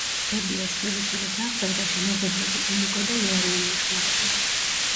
ბებიას შვილიშვილის აღზრდაში მეზობლები, ილიკო და ილარიონი ეხმარებიან.